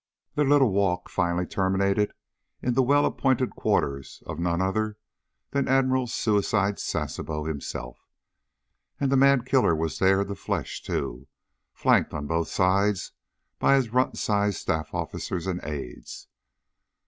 Their little "walk" finally terminated in the well appointed quarters of none other than Admiral Suicide Sasebo himself. And the mad killer was there in the flesh, too, flanked on both sides by his runt sized staff officers and aides.